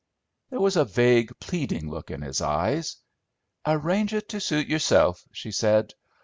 There was a vague, pleading look in his eyes. "Arrange it to suit yourself," she said.